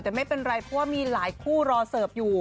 แต่ไม่เป็นไรเพราะว่ามีหลายคู่รอเสิร์ฟอยู่